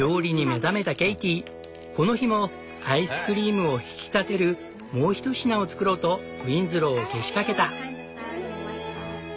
この日もアイスクリームを引き立てるもうひと品を作ろうとウィンズローをけしかけた。